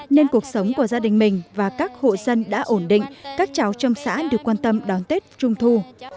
nên cuộc sống của gia đình mình và các hộ dân đã ổn định các cháu trong xã được quan tâm đón tết trung thu